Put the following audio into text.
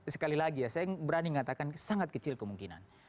sekali lagi ya saya berani mengatakan sangat kecil kemungkinan